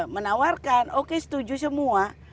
menawarkan oke setuju semua